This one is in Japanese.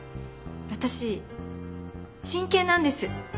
私真剣なんです。